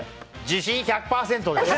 自信１００％です！